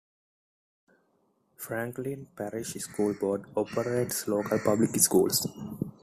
Franklin Parish School Board operates local public schools.